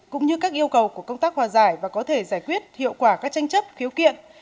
cũng như các yêu cầu của công tác hòa giải và có thể giải quyết hiệu quả các tranh chấp khiếu kiện